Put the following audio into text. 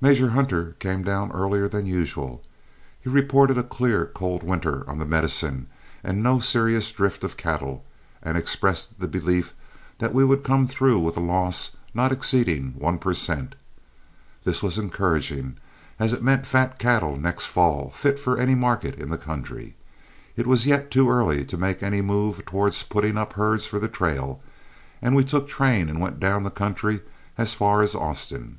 Major Hunter came down earlier than usual. He reported a clear, cold winter on the Medicine and no serious drift of cattle, and expressed the belief that we would come through with a loss not exceeding one per cent. This was encouraging, as it meant fat cattle next fall, fit for any market in the country. It was yet too early to make any move towards putting up herds for the trail, and we took train and went down the country as far as Austin.